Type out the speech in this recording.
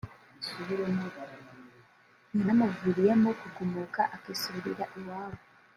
yanamuviriyemo kugumuka akisubirira iwabo